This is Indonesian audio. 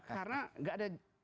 karena gak ada